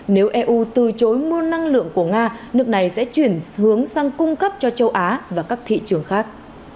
nếu eu từ chối mua năng lượng của nga nước này sẽ chuyển hướng sang cung cấp cho châu á và các thị trường khác